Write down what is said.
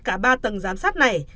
cả ba tầng giám sát này